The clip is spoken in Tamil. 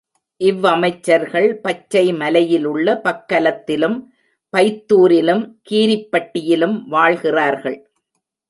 இவ்வமைச்சர்கள் பச்சை மலையிலுள்ள பக்கலத்திலும், பைத்தூரிலும், கீரிப்பட்டியிலும் வாழ்கிறார்கள்.